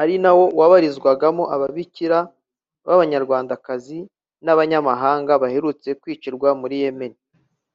ari nawo wabarizwagamo Ababikira b’Abanyarwandakazi n’abanyamahanga baherutse kwicirwa muri Yemen